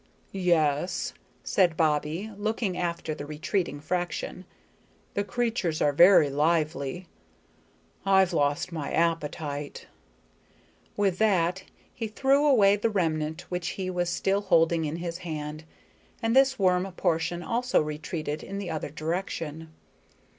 "Yes," said Bobbie, looking after the retreating fraction, "the creatures are very lively. I've lost my appetite." With that he threw away the remnant which he was still holding in his hand, and this worm portion also retreated, in the other direction.